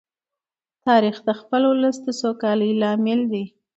تاریخ د خپل ولس د سوکالۍ لامل دی.